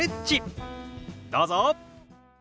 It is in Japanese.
どうぞ。